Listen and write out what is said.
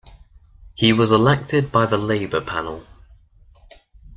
He was elected by the Labour Panel.